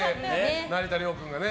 成田凌君がね。